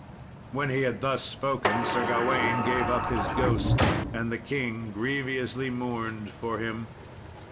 When he had thus spoken, Sir Gawain gave up his ghost, and the king grievously mourned for him.